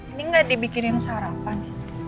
ini gak dibikinin sarapan